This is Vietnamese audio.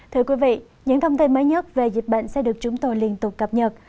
thưa quý vị những thông tin mới nhất về dịch bệnh sẽ được chúng tôi liên tục cập nhật